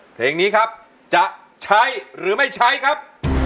เพลงนี้ครับจะใช้หรือไม่ใช้ครับ